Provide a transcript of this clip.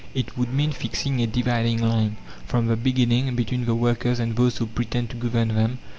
It would mean fixing a dividing line, from the beginning, between the workers and those who pretend to govern them.